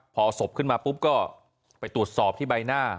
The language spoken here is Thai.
พอศพขึ้นมาปุ๊บก็ไปตรวจสอบที่ใบหน้า